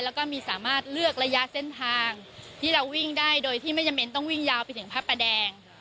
แล้วก็มีสามารถเลือกระยะเส้นทางที่เราวิ่งได้โดยที่ไม่จำเป็นต้องวิ่งยาวไปถึงพระประแดง